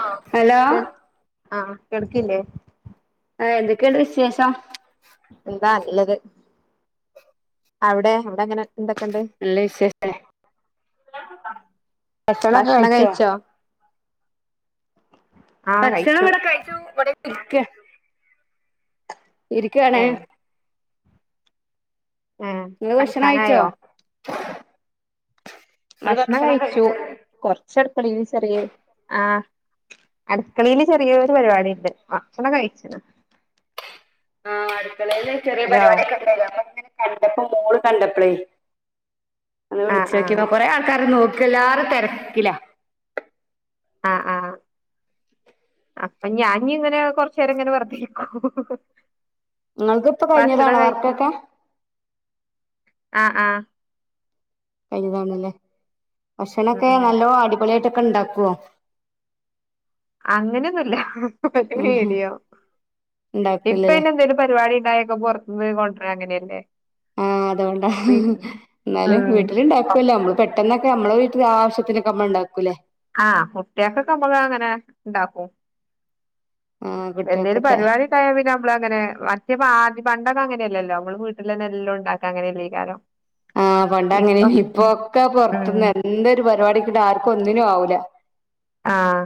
ആഹ് hello കേ ആഹ് കേൾക്കില്ലേ? ആഹ് എന്തെക്കേണ്ട് വിശേഷം എന്താ നല്ലത് അവിടെയൊ അവ്ടെങ്ങനാ? നല്ല വിശേഷാ ഭക്ഷണൊക്കെ ഭക്ഷണം കഴിച്ചൊ? കഴിച്ചോ ഭക്ഷണം ഇവടെ കഴിച്ചു ഇവടെര്ക്ക ഇര്ക്കാണ് ഏഹ് ഏഹ് ഇങ്ങള് ഭക്ഷണം കഴിച്ചോ? കടക്കാനായോ നിങ്ങള് ഭക്ഷണം കഴിച്ചു കഴിച്ചോ കൊറച്ചട്ക്കളീല് ചെറിയെ ആഹ് അട്ക്കളീല് ചെറിയോരു പരിപാടിണ്ട് ഭക്ഷണം കഴിച്ച്ണ് ആഹ് അടുക്കളയിലൊരു ചെറിയ ഹലോ പരിപാടിയൊക്കെ ഉണ്ടായിനു അപ്പ ഇങ്ങനെ കണ്ടപ്പോ മോള് കണ്ടപ്പളേ ഇങ്ങള് ആഹ് വിളിച്ച് നോക്കി ആഹ് കൊറെ ആൾക്കാരെ നോക്കി എല്ലാരും തിരക്കിലാ ആഹ് ആഹ് അപ്പൊ ഞാൻ ഇങ്ങനെ കൊറച്ചേരം ഇങ്ങനെ വെർതെ ഇരിക്കും ഇങ്ങളത് ഇപ്പൊ ഭക്ഷണം കഴിഞ്ഞതാണോ കഴിച്ച് വർക്കൊക്കെ ആഹ് ആഹ് കഴിഞ്ഞതാണല്ലേ ഉം ഭക്ഷണൊക്കെ ഉം നല്ലോ അടിപൊളിയായിട്ടൊക്കെ ഇണ്ടാക്കോ? അങ്ങനെ ഒന്നുല്ല ഒരു ഉം മീഡിയം. ഉണ്ടാക്കില്ലല്ലേ ഇപ്പയ്ന് എന്തേലും പരിപാടി ഇണ്ടായാ ഒക്കെ പൊർത്തുന്ന് കൊണ്ടര അങ്ങനേല്ലേ. അതോണ്ടാ ന്നാലും വീട്ടില് ഇണ്ടാക്കോല്ലോ നമ്മള് പെ ട്ടെന്നൊക്കെ നമ്മളെ വീട്ടില് ആശ്യത്തിനൊക്കെ നമ്മള് ഇണ്ടാക്കൂലേ. ആഹ് കുട്ട്യാക്കൊക്കെ നമ്മള് അങ്ങനെ ഇണ്ടാക്കും. ആഹ് എന്തേലും കുട്ടികൾക്കൊക്കെ പരിപാടി ണ്ടായാ പിന്നെ നമ്മളങ്ങനെ മറ്റേപ്പാ ആദ്യ പണ്ടൊക്കെ അങ്ങനെല്ലല്ലോ നമ്മള് വീട്ടിലന്നെ എല്ലോം ഇണ്ടാക്കാ അങ്ങനെല്ലയ്കാരം. ആഹ് പണ്ട് അങ്ങനെനിം ഇപ്പൊ ഒക്കെ ഉം പൊർത്ത്ന്ന് എന്തൊരു പരിപാടിക്കും ആർക്കും ഒന്നിനും ആവൂല. ആഹ്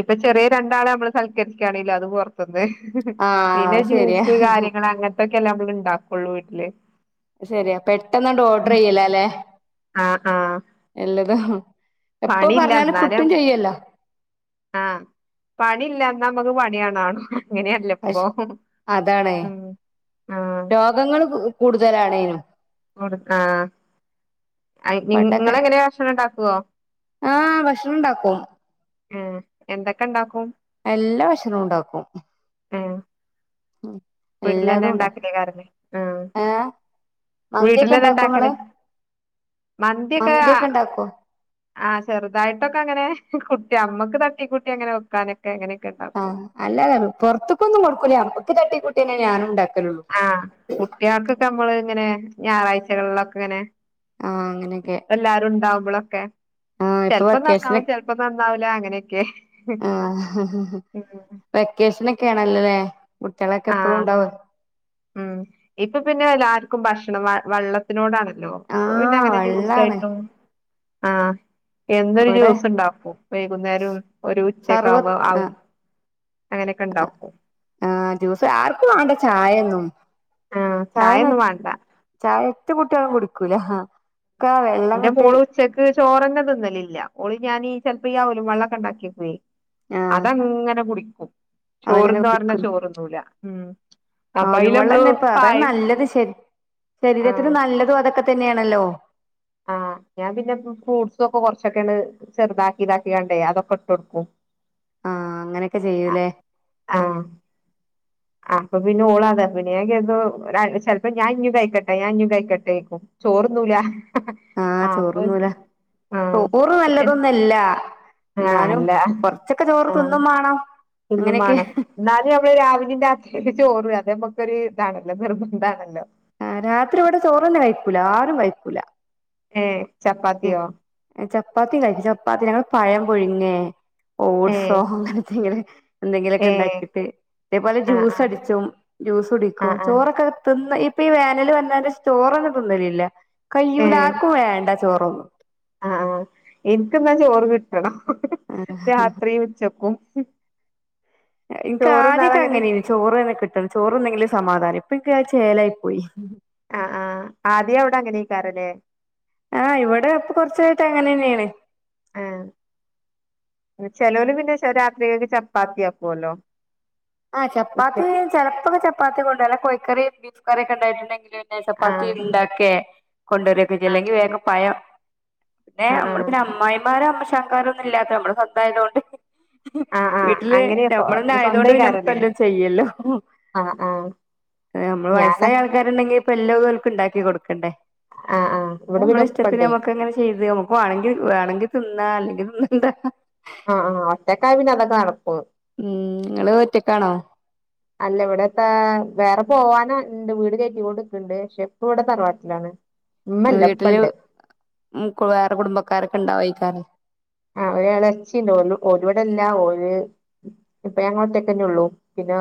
ഇപ്പൊ ചെറ്യ രണ്ടാളെ നമ്മള് സൽക്കരിക്കാണേലും അത് പൊർത്ത്ന്ന്. ആഹ് പിന്നെ ശരിയാ ജ്യൂസ് കാര്യങ്ങള് അങ്ങൻത്തൊക്കല്ലെ ഇണ്ടാക്കൊള്ളു വീട്ടില്. ആഹ് ശരിയാ പെട്ടെന്നണ്ട് ആ ഓഡ്ര ചെയ്യലാല്ലേ ആഹ് ആഹ് എല്ലതും. എപ്പൊ പണിയില്ല പർഞ്ഞാലും കിട്ടും എന്നാലും ചെയ്യല്ലോ. ആഹ് പണില്ല എന്നാ നമക്ക് പണി ആണാനും. ഇങ്ങനെയല്ലപ്പൊ പക്ഷെ ഉം ആഹ്. സുഖങ്ങള് കൂടുതലാണേനും. ആഹ് അയ്ന് പണ്ടൊക്കെ ഇങ്ങള് എങ്ങനെ ഭഷണം ഇണ്ടാക്കോ? ആഹ് ഭക്ഷണം ഇണ്ടാക്കും. ഏ എന്തൊക്കെ ഇണ്ടാക്കും? എല്ലാ ഭക്ഷണും ഇണ്ടാക്കും. ആഹ്. ഉം വീട്ടിലന്നെ ഇണ്ടാക്കലയ്ക്കാരംല്ലേ ആ ഏഹ് മന്തിയൊക്കെ വീട്ടിലെന്നെ ഉണ്ടാക്കോ ഇണ്ടാക്കല ഇങ്ങള് മന്തിക്കെ ആ മന്തിയൊക്കെ ഉണ്ടാക്കോ ആഹ് ചെർതായിട്ടൊക്കെങ്ങനെ കുട്ടി അമ്മക്ക് തട്ടി കൂട്ടി അങ്ങനെ വെക്കാനൊക്കെ അങ്ങനൊക്കെ ഇണ്ടാക്കും. ആഹ് അല്ല പൊർത്ത്ക്കൊന്നും കൊടുക്കൂല്ല അമ്മക്ക് തട്ടി കൂട്ട്യന്നെ ഞാനുണ്ടാ ആഹ് കുട്ട്യാൾക്കൊക്കെ അമ്മള് ഇങ്ങനെ ഞാറാഴ്ചകളിലൊക്കെ ഇങ്ങനെ ആഹ് അങ്ങനെയൊക്കെ എല്ലാരും ഇണ്ടാവുമ്പോളൊക്കെ ആഹ് ഇപ്പൊ ചെൽപ്പോ വെക്കേഷന് നന്നാവും ചെൽപ്പോ ഇപ്പൊ നന്നാവൂല അങ്ങനെയൊക്കെ ആ ഉം വെക്കേഷനൊക്കെ ആണല്ലോല്ലേ കുട്ട്യളൊക്കെ എപ്പള്ളും ആഹ് ഇണ്ടാവ ഉം ഇപ്പൊ പിന്നെ എല്ലാവർക്കും ഭക്ഷണം വള്ള ത്തിനോടാണല്ലോ പിന്നെ ആഹ് അങ്ങനെ വെള്ളാണ് ജ്യൂസായിട്ടും ആഹ്. എന്നും ഒരു ഇവിടെ ജ്യൂസ് ഇണ്ടാക്കും വൈകുന്നേരും ഒരു ഉച്ചക്കെ സർവ ആവു ആവ അങ്ങനെയൊക്കെ ഇണ്ടാക്കും. ആഹ് ജ്യൂസ് ആർക്കും വാണ്ട ചായൊന്നും ആഹ് ചായ ചായൊന്നും വേണ്ട ചായ ഒറ്റ കുട്ട്യളും കുടിക്കൂല. ഒക്കെ ന്റെ വെള്ളംങ്ങട്ട് മോള് ഉച്ചക്ക് ചോറന്നെ തിന്നലില്ല ഓള് ഞാനീ ചെൽപ്പ ഈ അ വലും വെള്ളൊക്കെണ്ടാക്കിക്ക്യോ. ആഹ് അതങ്ങനെ കുടിക്കും അതങ്ങനെ ചോർന്നോ പർഞ്ഞാ ചോറ്ന്നൂല അപ്പൊ ഔലും അയില് നമ്മള് വെള്ളന്നെ ഇപ്പ അത പായം നല്ലത് ശ ശരീരത്തിന് ആഹ് നല്ലതും അതൊക്കെ തന്നെയാണല്ലോ. ആഹ് ഞാൻ പിന്നെ ഫ്രൂട്ട്സൊക്കെ കൊർച്ചൊക്കെണ്ട്‌ ചെർതാക്കി ഇതാക്ക്യാണ്ടേ അതൊക്കെട്ടൊട്ക്കും. ആഹ് അങ്ങനെയൊക്കെ ചെയ്യൂലേ. ആഹ്. ആ അപ്പൊ പിന്നെ ഓളാതാ പിന്നെ ഞാൻ കര്തും ചെൽപ്പോ ഞാഞ്ഞുംകൈക്കട്ടെ ഞാഞ്ഞും കൈക്കട്ടേയ്ക്കും. ചോറൊന്നൂല ആഹ് ആ അപ്പൊ ചോറ്ന്നൂല ആഹ് പിന്നെ ഇല്ല. ആഹ് അല്ല ആഹ് തിന്നും മാണം ഇന്നും അങ്ങനെയൊക്കെ വേണം ഇന്നാല് നമ്മള് രാവിലെ രാത്രിയൊക്കെ ചോറ് അതമുക്കൊരു ഇതാണല്ലോ നിർബന്താണല്ലോ ആഹ് രാത്രി ഇവിടെ ചോറന്നെ കഴിക്കുല ആരും കഴിക്കൂല ഏഹ് ചപ്പാത്തിയോ ചപ്പാത്തി കഴിച്ച് ചപ്പാത്തി ഞമ്മൾ പഴം പൊഴുങ്ങേ ഏഹ് ഓട്സോ അങ്ങനന്തെങ്കിലും എന്തെങ്കിലുമൊക്കെ ഏഹ് ഉണ്ടാക്കിട്ട് അതേപോലെ ആഹ് ജ്യൂസ് ആഹ് അടിച്ചും ജ്യൂസ് കുടിക്കും ആഹ് ആഹ് ചോറൊക്കെ തിന്ന ഈ ഇപ്പ ഈ വേനൽ വന്നന്റെ ചോറന്ന തിന്നലില്ല കൈയ്യൂല ഏഹ് ആർക്കും വേണ്ട ചോറൊന്നും ആഹ് ആഹ് എനിക്കെന്ന ചോറ് കിട്ടണം ചോറൊന്നും രാത്രി ഉച്ചക്കും എനിക്ക് ആദ്യക്കെ ചോറ്ന്നാലങ്ങനെ അങ്ങനെന്ന് ചോറ് തന്നെ കിട്ടണം ചോറ്തിന്നെങ്കിലെ സമാധാനം ഇപ്പ ചേലായി പോയി ആഹ് ആഹ് ആദ്യം അവിടെ അങ്ങനെയിക്കാറല്ലെ ആഹ് ഇവിടെ ഇപ്പൊ കുറച്ചായിട്ട് അങ്ങനെ തന്നെയാണ് [inaudible] ചെലവര് പിന്നെ രാത്രിയക്ക ചപ്പാത്തിയാക്കുവല്ലോ ആഹ് ചാപത്തി ചെലപ്പൊക്കെ ചപ്പാത്തി കൊണ്ടര കോഴിക്കറീ ബീഫ് കറിയൊക്കെ ഉണ്ടായിട്ടുണ്ടെങ്കില് ചപ്പാത്തി ആഹ് ഉണ്ടാക്കെ കൊണ്ടുവരൊക്കെ ആഹ് ചെയല്ലെങ്കിൽ വേഗ പയം പിന്നെ ആഹ് നമ്മള് ആഹ് പിന്നെ അമ്മായിമാരോ [unintelligible] ഒന്നും ഇല്ലാത്ത നമ്മള് സ്വന്തായതുകൊണ്ട് ആഹ് ആഹ് വീട്ടില് അങ്ങനെ സ്വ നമ്മളന്ന ആയതൊണ്ട് പിന്നെ സ്വന്തേക്കാരല്ലേ വല്ലോം ചെയ്യല്ലോ ആഹ് ആഹ് നമ്മള് ഞാന വയസായ ആൾക്കാര് ണ്ടെങ്കി ഇപ്പ എല്ലാവർക്കും ഉണ്ടാക്കി കൊടുക്കണ്ടേ ആഹ് ആഹ് ഇവിടെ നമ്മള പിന്നെ ഇഷ്ടത്തിന് ഉപ്പണ്ടേ നമുക്ക് അങ്ങനെ ചെയ്ത് നമു വേണെങ്കിൽ വേണെങ്കി തിന്നാ അല്ലെങ്കിൽ തിന്നണ്ട ആഹ് ആഹ് ഒറ്റക്കായ പിന്നെ അതൊക്കെ നടക്കുള്ളൂ ഉം നിങ്ങള് ഒറ്റക്കാണോ അല്ല ഇവിടെത്തെ വേറെ പോവാന ഉണ്ട് വീട് കയറ്റിക്കോണ്ട് നിക്കണ്ട് പക്ഷെ ഇപ്പ ഇവിടെ തറവാട്ടിലാണ് ഉം ഇമ്മല്ല വീട്ടില് ഇപ്പണ്ട് വേറെ കുടുംബക്കാരൊക്കെ ഉണ്ടോ [unintelligible] ആഹ് ഒരു എളെച്ചി ഉണ്ട് ഓര് ഇവിടല്ല ഓര് ഇപ്പൊ ഞങ്ങൾ ഒറ്റക്കന്നെ ഉള്ളൂ പിന്ന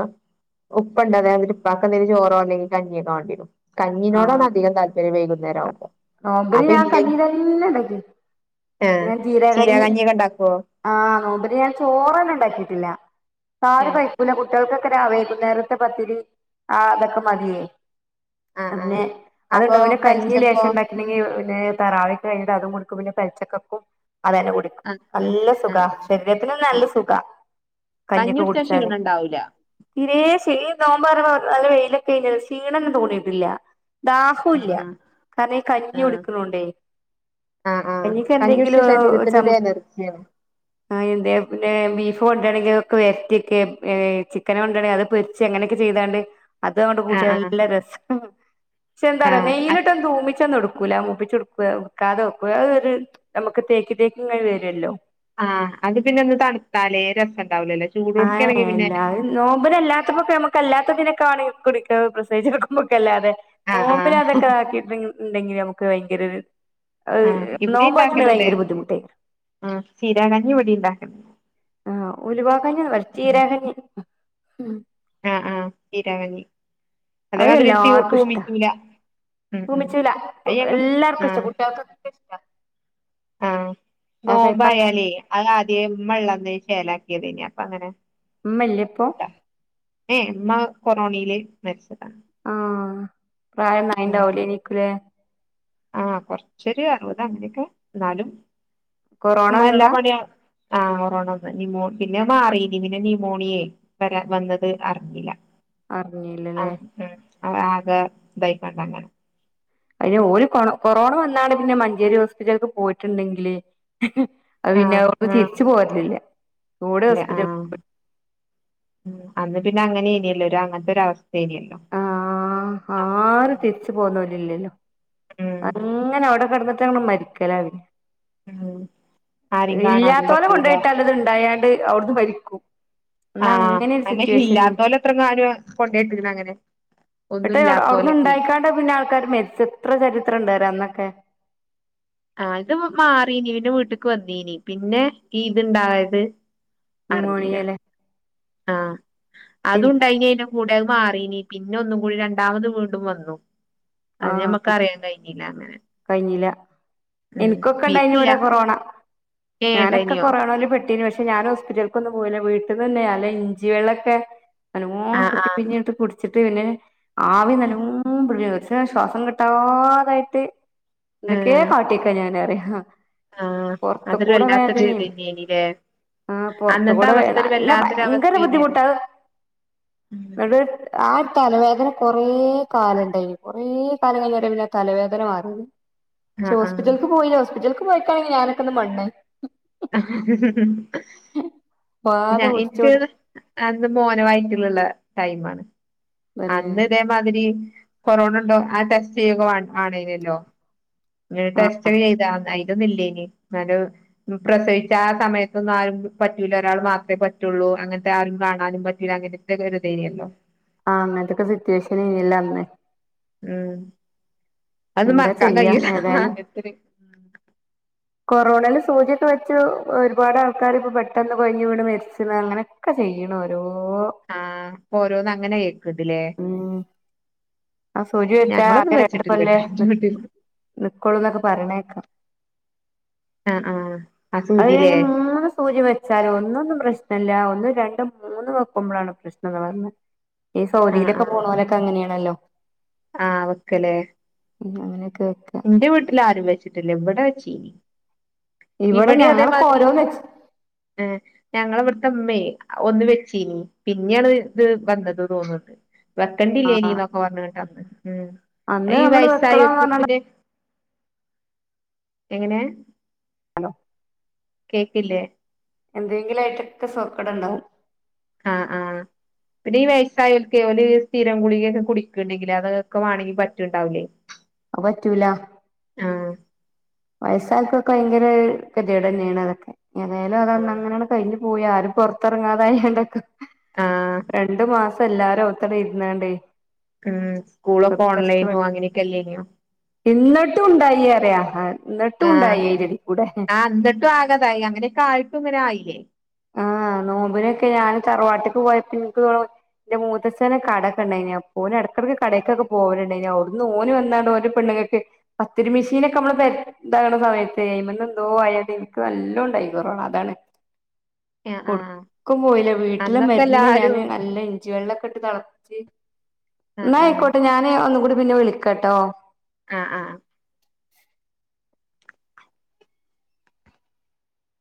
ഉപ്പണ്ട് അതായത് ഉപ്പാക്ക് എന്തെങ്കിലും ചോറോ അല്ലെങ്കി കഞ്ഞിയൊക്കെ വേണ്ടിരും കഞ്ഞിനോടാണ് ആഹ് അധികം താല്പര്യം വൈകുന്നേരാവുമ്പം നോമ്പിന് ഞാൻ കഞ്ഞി അതില്ലെങ്കി ആഹ് ചീര ജീരകകഞ്ഞി കഞ്ഞിയൊക്കെ ഇണ്ടാക്കോ ആഹ് നോമ്പിന് ഞാൻ ചോറ് തന്നെ ഉണ്ടാക്കിട്ടില്ല ആരും ഏഹ് കൈക്കൂല കുട്ടികൾക്കൊക്കെ രാവി വൈകുന്നേരത്തെ പത്തിരി ആഹ് അതൊക്കെ മതിയേ ആഹ് ആഹ് പിന്നെ അപ്പൊ അത്ണ്ടാവ പിന്നെ കഞ്ഞി പെൽച്ചക്കോ ലേശം ഉണ്ടാക് [unintelligible] പിന്നെ തറാവിഹ്ക്കെ കഴിഞ്ഞിട്ട് അതും കുടിക്കും പിന്നെ [unintelligible] അത് തന്നെ കുടിക്കും ആഹ് നല്ല സുഖ ആഹ് ശരീരത്തിനും ആഹ് നല്ല സുഖ കഞ്ഞിക്ക കഞ്ഞികുടിച്ചാ കുടിച്ചാല് ക്ഷീണം ഉണ്ടാവൂല തീരേ [unintelligible] നല്ല വെയിലൊക്കെ അല്ലെ ക്ഷീണം ഒന്നും തോന്നിയിട്ടില്ല ദാഹം ഇല്ല ആഹ് കാരണം ഈ കഞ്ഞി ആഹ് കുടിക്കണോണ്ടേ ആഹ് ആഹ് കഞ്ഞിക്ക് എന്തേലും ഒരു കഞ്ഞികുടിച്ച ചം ശരീരത്തിനൊരു എനർജിയാണ് മ്മന്തി എന്തെ പിന്നെ ബീഫ് കൊണ്ട് വരികയാണെങ്കിൽ അത് വരട്ടി എടുക്കേം ചിക്കൻ കൊണ്ട് വരികയാണെങ്കിൽ അത് പൊരി ച്ച് അങ്ങനൊക്കെ ചെയ്താണ്ട് അതൊണ്ട് കൂട്ടിയ ആഹ് നല്ല രസം പക്ഷെ എന്താന്നറിയാവ ആഹ് ആഹ് നെയിലിട്ട് തൂമിച്ചന്ന് എടുക്കും [unintelligible] മുപ്പിച്ച് എടുക്കുവേ വെടുക്കാതെ വെക്കുക അതൊരു നമുക്ക് തേക്കി [unintelligible] വരുല്ലോ ആഹ് അത് പിന്നെ ഒന്ന് തണുത്താലേ രസം ഉണ്ടാവിലല്ലേ ആഹ് എല്ലാരും നോമ്പിന് എല്ലാത്തുബക്കെ നമുക്ക് എല്ലാത്തതിനൊക്കെ വാണങ്കി കുടിക്ക പ്രസവിച്ച് കെടക്കുബൊക്കെ എല്ലാതെ ആഹ് നോമ്പിന് ആഹ് അതൊക്കെ താക്കിട്ട് ണ്ടങ്ങി ഇണ്ടെങ്ങിൽ നമുക്ക് ഭയങ്കര ഒര് അത് ആഹ് ഇവിടിം നോബോറ്റ്ണ് ഇണ്ടാക്കല്ണ്ട് വയങ്കര ബുദ്ധിമുട്ടേയി ആഹ് ചീരാകഞ്ഞി ഇവിടിം ഇണ്ടാക്കല്ണ്ട് ആഹ് ഉലുവാകഞ്ഞി വേ ചീരാ കഞ്ഞി ആഹ് ആഹ് ചീരാ കഞ്ഞി അത് അതേമാതിരി ത്യൂ തൂമിക്കൂല തൂമിച്ചുല തൂ എല്ലാർക്കും ഇഷ്ടം കുട്ടേൾകൊകെ ഇഷ്ട ആഹ് പച്ച നോമ്പായാലേ അത് ആദ്യേ ഇമ്മ ള്ളന്ന് ശേലാക്കേതേനി അപ്പ അങ്ങനെ ഇമ്മല്ലേ ഇപ്പോ ഏഹ് ഇമ്മ കൊറോണീൽമരിച്ചതാ ആഹ് പ്രായം ഒന്നായിണ്ടാവുലേക്കുലേ ആഹ് കൊറച്ചൊര് അറുപത് അങ്ങനൊക്കെ ന്നാലും കൊറോണ ഇമ്മഎല്ലാ വന്നതാ പണിയ ആഹ് ഒറോണന്ന് ന്യൂമോ പിന്നെ മാറീന് പിന്നെ ന്യൂമോണിയേ വരാ വന്നത് അർഞ്ഞില അർഞ്ഞീല്ലലേ ഉം അവ ആഗ ദൈക്കണ്ടങ്ങന അതിന് ഓര് കൊണ കൊറോണ വന്നാണ്ട് പിന്നെ മഞ്ചേരി ഹോസ്പിറ്റൽക്ക് പോയിട്ട്ണ്ടെങ്കില് അത് പിന്നെ ആഹ് അവ്ട്ന്ന് ആഹ് തിരിച്ച് പോരല് ഇല്ല കൂടെ ഇല്ല ഹോസ്പിറ്റൽ ആഹ് ഉം അന്ന് പിന്നെ അങ്ങനെ നിയല്ലോ ഒരു അങ്ങൻത്തെ ഒരഅവസ്ഥേനിയല്ലോ ആഹ് ആര് തിര്ച്ച് പോന്നോല് ഇല്ലല്ലോ ഉം അങ്ങനെ അവടെ കെടന്ന്ട്ട് അണ്ട് മരിക്കലാ ഉം ആരേം കാണാനും ഇല്ലാത്തോലേ പറ്റൂല കെണ്ടേയിട്ടാൽ ഇത് ഇണ്ടായാണ്ട് അവ്ട്ന്ന് മരിക്കും എന്നാ ആഹ് അങ്ങനെ ഒരു അന്നെ സിറ്റുവേഷന് ഇല്ലാത്തോലെ എന്നിട്ട് എത്ര ങ്ങാനാ കൊണ്ടോയി ഇട്ട്ക്ക്ണ് അങ്ങനെ ഒന്നും ഇന്ന്ട്ട് അവണ്ടെ അവ്ട്ന്ന് ഇല്ലാത്തോലൊക്കെ ഇണ്ടായിക്കാണ്ട് പിന്നെ ആൾക്കാർ മെരിച്ച എത്ര ചരിത്രം ഇണ്ട് അറിയോ അന്നൊക്കെ ആഹ് ഇത് മാറീനി പിന്നെ വീട്ട്ക്ക് വന്നീനി പിന്നെ ഈ ഇത്ണ്ടായത് അർഞീല ന്യൂമോണിയയില് ആഹ് അതുംണ്ടായിനേനും കൂടെ അത് മാറീനി പിന്നെ ഒന്നും കൂടി രണ്ടാമത് വീണ്ടും വന്നു അത് ഞമ്മക്ക് അറിയാ കഴിഞീല്ല അങ്ങനെ കഴിഞീല ഉം എനിക്കൊക്കെ ണ്ടായിന് വിധില്ല ഇവടെ കൊറോണ ഏ ഞാനൊക്കെ ഇണ്ടായിനിയോ കൊറോണോല് പെട്ടീനു പക്ഷെ ഞാനും ഹോസ് പിറ്റൽക്കൊന്നും പോയില്ല വീട്ടിന്നന്നെ നല്ലെ ഇഞ്ചി വെള്ളൊക്കെ നല്ലോണം ആഹ് കുത്തി ആഹ് പീഞ്ഞ്ട്ട് കുട് ച്ചിട്ട് പിന്നെ ആവി നല്ലോം [unintelligible] പക്ഷേ ശ്വാസം കിട്ടാതായിട്ട് എന്തക്കേ ആഹ് കാട്ടിക്കാ ഞാന് അറിയാ ആഹ് അതൊരു പൊറത്ത്ക്കൂട വല്ലാത്തൊരു വേദനീം ഇതന്നെനില്ലേ ആഹ് അന്നത്തെ പൊറത്ത്ക്കൂടെ വേദ അവസ്ഥ ഒരു നല്ല വല്ലാത്തൊരു ഭയങ്കര അവസ്ഥേനി അറിയ ബുദ്ധിമുട്ടാ അഹ് ഉം ന്ന ആ തലവേദന കൊറേ കാലംണ്ടായിനു കൊറേ കാലം കയിഞാട്ടാ പിന്നെ ആ തലവേദന മാറിയത് പക്ഷെ ആഹ് ആഹ് ഹോസ്പിറ്റൽക്ക് പോയില ഹോസ്പിറ്റൽക്ക്‌ പോയിക്കാണെങ്കി ഞാനൊക്കെ ഇന്ന് മണ്ണ് വാത ഞ ഇൻക്ക് പിടിച്ചോണ്ട് അന്ന് മോനെ വയറ്റില്ള്ള ടൈമാണ് പിന്നെ അന്ന് ഇതേ മാതിരി കൊറോണണ്ടോ ആ ടെസ്റ്റ് ചെയ്യൊക്കെ വാ വാണീന്നല്ലോ [unintelligible] ആ ടെസ്റ്റ് ചെയ്താ അയ്ലൊന്നും ഇല്ലേനി ന്നാലു ഉം പ്രസവിച്ച ആ സമയത്തൊന്നും ആരും പറ്റൂല ഒരാള് മാത്രേ പറ്റുള്ളൂ അങ്ങൻത്തെ ആരും കാണാനും പറ്റൂല അങ്ങനെ തൊക്കെ ഒര്തേനിയല്ലോ ആഹ് അങ്ങൻത്തെക്കെ സിറ്റുവേഷൻ ഇയ്യല്ലോ അന്ന് ഉം അതൊന്നും എന്താ മറക്കാ ചെയ്യാ കയ്യൂല ഏതായാലും അങ്ങൻത്തൊര് കൊറോണന്റെ സൂചിയൊക്കെ വെച്ച് ഒരുപാട് ആൾക്കാര് ഇപ്പോ പെട്ടെന്ന് കൊയഞ്ഞ് വീണ് മരിച്ച്ണ് അങ്ങനെ ഒക്കെ ചിയ്യ്ണോരോ ആഹ് ഇപ്പ ഓരോന്ന് അങ്ങനെ കേക്ക്‌ണ്ട്ല്ലേ. ആഹ് സൂചി വെച്ചാ ആകെ രണ്ട് കൊല്ലേ ന്ക്ക്‌ വീട്ടില് ന്ക്കൊള്ളൂന്നൊക്കെ പറേണേക്കാ ആഹ് ആഹ് ആ അത് സൂചിലേ കഴിഞ്ഞ് മൂന്ന് സൂചി വെ ച്ചാല് ഒന്നൊന്നും പ്രശ്നല്ല. ഒന്നും രണ്ടും മൂന്നും വെക്കുമ്പളാണ് പ്രശ്നംന്ന് പറഞ്ഞ് ഈ ആഹ് സൗദീലൊക്കെ ആഹ് പോണോലൊക്കെ അങ്ങനെയാണല്ലോ ആഹ് അവക്ക് ല്ലേ? ഉം അങ്ങനൊക്കെ ആയിട്ട് ഇന്റെ വീട്ടില് ആരും വെച്ച്ട്ടില്ല. ഇവടെ വെച്ചീനി. ഇവിടെ ഇവടീം ഞങ്ങളൊക്കെ അതേമാതിരി ഓരോന്ന് വെച്ച് ഏഹ് ഞങ്ങള ഇവിടുത്തെ ഇമ്മേയ് ഒന്ന് വെച്ചീനി. പിന്നെയാണ് ഇത് വന്നത് തോന്ന്ണ്ട് ആഹ് വെക്കണ്ടില്ലേയ്നീന്നൊക്കെ പറഞ്ഞ്ങ്ങട്ട് അന്ന്. ഉം. അന്ന് ഈ നമ്മള് വെക്കണം വയസ്സായോൽക്ക് പിന്നെ പറഞ്ഞാണ്ട് എങ്ങനെ? കേക്കില്ലേ? എന്തേങ്കിലായിറ്റൊക്കെ സൂക്കട് ഇണ്ടാവും ആഹ് ആഹ് പിന്നെ ഈ വയസ്സായോൽക്കെ ഓല് ഈ സ്ഥിരം ഗുളികക്കെ കുടിക്ക്‌ണ്ടെങ്കില് അതൊക്കെ വാണെങ്കി പറ്റുണ്ടാവില്ലേ അത് പറ്റൂല ആഹ് വയസ്സായോൽക്കൊക്കെ വയങ്കര കെതിയടന്നേണ് അതൊക്കെ. ഏതായാലും അതന്ന് ആഹ് അങ്ങനങ്ങ് കയിഞ്ഞു പോയി. ആരും പൊറത്തെറങ്ങാതായിണ്ടൊക്കെ ആഹ് രണ്ട് മാസം എല്ലാരും ഔത്തണ്ട് ഇരുന്നാണ്ടേ ഉം. സ്കൂളൊക്കെ ഓൺലൈനും അങ്ങനെയെക്കെ അല്ലേയ്നോ ഇന്ന്ട്ടും ഇണ്ടായി അറയ. ആഹ് ഇന്ന്ട്ടും ഇണ്ടായി അയ്‌ന്റെ എടീക്കുടെ ന്നട്ടും ആകെതായി. അങ്ങനെക്കായിട്ടും ഇങ്ങനെ ആയില്ലേ? ആഹ് നോമ്പ്നൊക്കെ ഞാന് തറവാട്ട്ക്ക് പോയപ്പോ ഇൻക്ക് തോന്ന്ണു ഇന്റെ മൂത്തച്ഛന് കടക്കെണ്ടായ്നെ. അപ്പോ ഓന് എടക്കെടക്ക്‌ കടേക്കൊക്കെ പോകല്ണ്ടായ്ന്. അവിടുന്ന് ഓന് വന്നാണ് ഓന് പെണ്ണുങ്ങക്ക്. പത്തിരി മിഷീനൊക്കെ അമ്മള് പെരീ ഇണ്ടാക്ക്ണ സമയത്ത് അയ്മന്ന് എന്തോ ആയത്. ഇൻക്ക് നല്ലോം ഇണ്ടായി കൊറോണ അതാണ്. ആഹ് ആഹ് ഒടുക്കും പോയില്ലാ. വീട്ടിലെ അന്നൊക്കെ മരുന്ന് എല്ലാരും ഞാന് നല്ലായി ഞ്ചി വെള്ളോക്കെ ഇട്ട് തളപ്പിച്ച്, ആഹ് ഇന്നാ ആഹ് ആയിക്കോട്ടെ ഞാന് ഒന്നുംകൂടി പിന്നെ വിളിക്കട്ടോ. ആഹ് ആഹ് ആഹ്